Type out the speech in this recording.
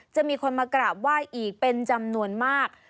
จะมีคนมากราบไหว้อีกเป็นจำนวนมาก